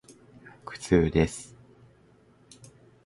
苦痛です。